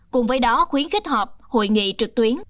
cùng với đó khuyến khích họp hội nghị trực tuyến